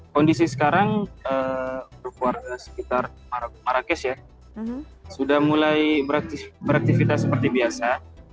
kondisi sekarang keluarga sekitar marrakesh ya sudah mulai beraktifitas seperti biasa